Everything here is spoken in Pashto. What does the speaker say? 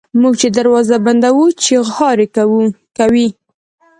موږ چي دروازه بندوو چیغهار کوي.